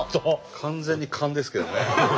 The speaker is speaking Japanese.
完全に勘ですけどね。